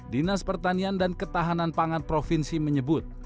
dinas pertanian dan ketahanan pangan provinsi menyebut